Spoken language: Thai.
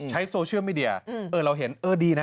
ใช้โทรสเชียร์มิเดียเราเห็นเอ่อดีนะ